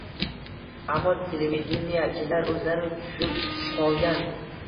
Ammo televideniyechilar o‘zlari tushib qolgan